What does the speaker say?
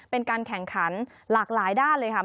เป็นการแข่งขันหลากหลายด้านเลยค่ะ